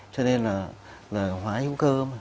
cho nên là hóa hữu cơ